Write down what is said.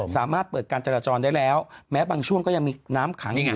สามารถเปิดการจราจรได้แล้วแม้บางช่วงก็ยังมีน้ำขังอยู่